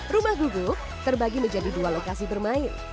rumah gugup terbagi menjadi dua lokasi bermain